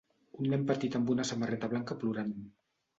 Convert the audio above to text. Un nen petit amb una samarreta blanca plorant.